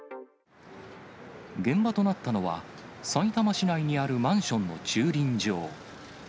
現場となったのは、さいたま市内にあるマンションの駐輪場。